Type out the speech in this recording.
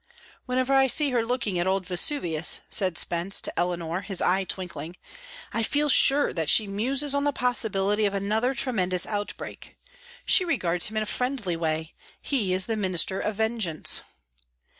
"Whenever I see her looking at old Vesuvius," said Spence to Eleanor, his eye twinkling, "I feel sure that she muses on the possibility of another tremendous outbreak. She regards him in a friendly way; he is the minister of vengeance."